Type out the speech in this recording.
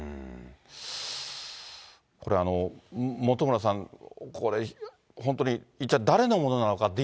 これ、本村さん、これ、本当に一体、誰のものなのか。